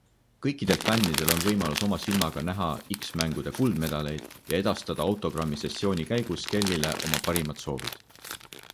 Kõikidel fännidel on võimalus oma silmaga näha X-mängude kuldmedaleid ja edastada autogrammisessiooni käigus Kellyle oma parimad soovid.